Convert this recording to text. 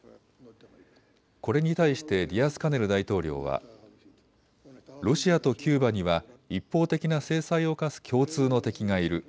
これに対してディアスカネル大統領はロシアとキューバには一方的な制裁を科す共通の敵がいる。